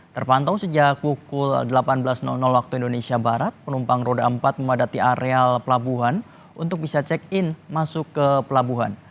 terpantau sejak pukul delapan belas waktu indonesia barat penumpang roda empat memadati areal pelabuhan untuk bisa check in masuk ke pelabuhan